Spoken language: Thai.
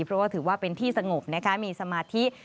เพราะว่าถือว่าเป็นที่สงบนะคะมีสมาธิ